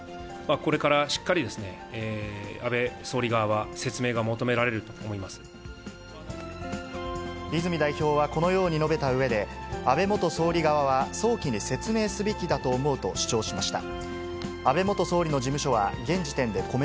これからしっかり安倍総理側は、泉代表はこのように述べたうえで、安倍元総理側は早期に説明すべきだと思うと主張しました。